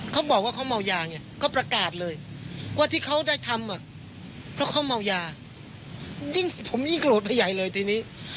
เขาบอกว่าเขาเมายาไงก็ประกาศเลยว่าที่เขาได้ทำอ่ะเพราะเขาเมายายิ่งผมยิ่งโกรธไปใหญ่เลยทีนี้